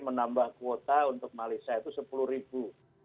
menambah kuota untuk malaysia itu sepuluh ribu